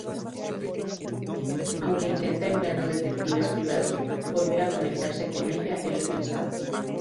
Aunque intenta, empleando detectives privados, volver a contactarse con ella, es rechazado.